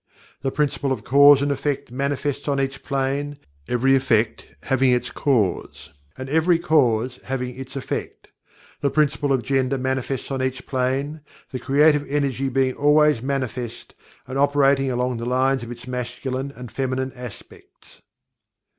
The Principle of Cause and Effect manifests on each Plane, every Effect having its Cause and every Cause having its effect. The Principle of Gender manifests on each Plane, the Creative Energy being always manifest, and operating along the lines of its Masculine and Feminine Aspects.